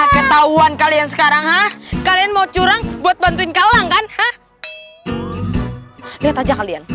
ketahuan kalian sekarang hah kalian mau curang buat bantuin kalang kan hah lihat aja kalian